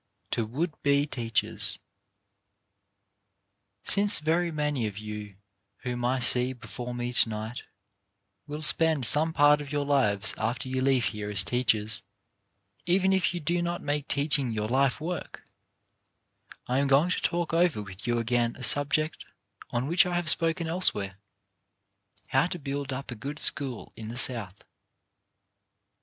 . TO WOULD BE TEACHERS Since very many of you whom I see before me to night will spend some part of your lives after you leave here as teachers, even if you do not make teaching your life work, I am going to talk over with you again a subject on which I have spoken elsewhere — How to build up a good school in the South.